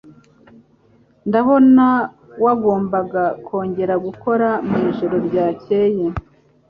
Ndabona wagombaga kongera gukora mwijoro ryakeye.